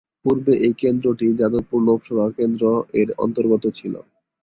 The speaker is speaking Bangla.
পূর্বে এই কেন্দ্রটি যাদবপুর লোকসভা কেন্দ্র এর অন্তর্গত ছিল।